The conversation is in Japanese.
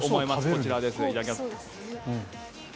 こちらです。